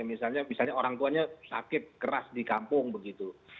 misalnya orang tuanya sakit keras di kampung begitu